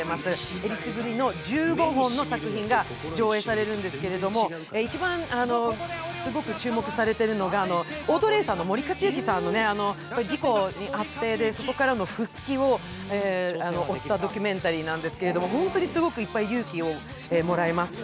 選りすぐりの１５本の作品が上映されるんですけれども、一番すごく注目されているのがオートレーサーの森且行さんが事故に遭って、そこからの復帰を追ったドキュメンタリーなんですけど、本当にすごくいっぱい勇気をもらえます。